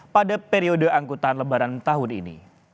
pada periode angkutan lebaran tahun ini